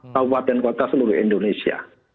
kabupaten kota seluruh indonesia